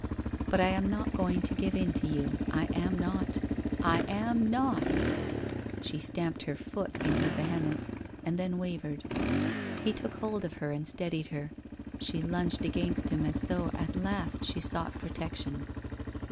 But I am not going to give in to you. I am not. I am not !' She stamped her foot in her vehemence and then wavered. He took hold of her, and steadied her. She lunged against him, as though at last she sought protection.